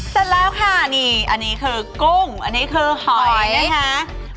เสร็จแล้วค่ะนี่อันนี้คือกุ้งอันนี้คือหอยนะคะ